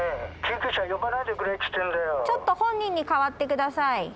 ちょっと本人に代わって下さい。